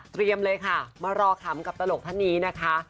เลยค่ะมารอขำกับตลกท่านนี้นะคะ